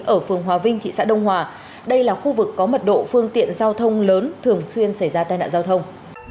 ở phường hòa vinh thị xã đông hòa đây là khu vực có mật độ phương tiện giao thông lớn thường xuyên xảy ra tai nạn giao thông